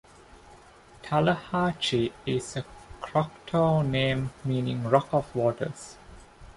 Tallahatchie is a Choctaw name meaning "rock of waters".